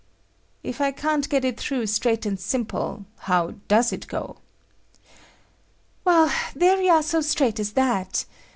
"If can't get it through straight and simple, how does it go?" "Well, there you are so straight as that.